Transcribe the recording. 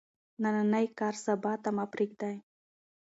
نننی کار سبا ته مه پریږدئ.